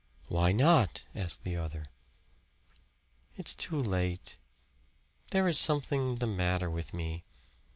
"Why not?" asked the other. "It's too late. There is something the matter with me.